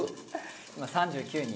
今３９に。